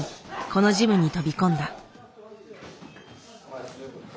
このジムに飛び込んだ。